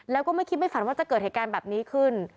แล้วก็ไม่คิดไม่ฝันว่าจะเกิดเหตุการณ์แบบนี้ขึ้น